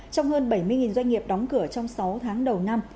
trong hơn bảy mươi doanh nghiệp đóng cửa trong sáu tháng đầu năm